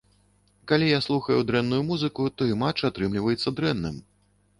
Калі я слухаю дрэнную музыку, то і матч атрымліваецца дрэнным.